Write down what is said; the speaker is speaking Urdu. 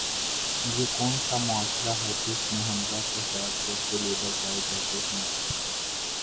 یہ کون سا معاشرہ ہے جس میں حمزہ شہباز جیسے لیڈر پائے جاتے ہیں؟